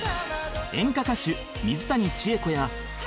演歌歌手水谷千重子や